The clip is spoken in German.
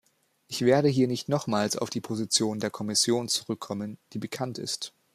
Ich werde hier nicht nochmals auf die Position der Kommission zurückkommen, die bekannt ist.